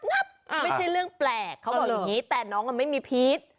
ไม่ใช่เรื่องแปลกเขาบอกอย่างนี้แต่น้องไม่มีพีช